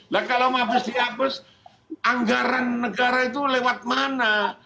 nah kalau mabes dihapus anggaran negara itu lewat mana